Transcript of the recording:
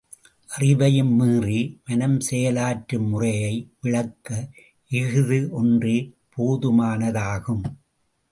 அறிவையும் மீறி மனம் செயலாற்றும் முறையை விளக்க இஃது ஒன்றே போதுமானதாகும்.